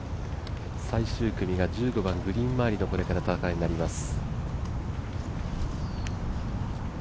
最終組が１５番、これからグリーン周りの戦いになります。